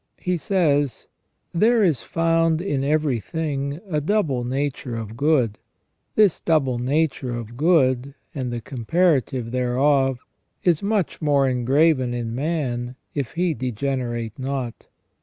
He says :" There is found in every thing a double nature of good. ... This double nature of good, and the comparative thereof, is much more engraven in man, if he degenerate not.